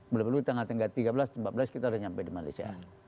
belum belum tanggal tiga belas empat belas kita sudah nyampe di malaysia